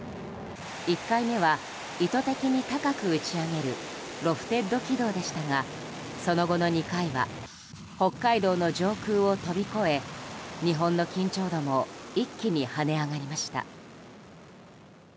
１回目は意図的に高く打ち上げるロフテッド軌道でしたがその後の２回は北海道の上空を飛び越え日本の緊張度も一気に跳ね上がりました。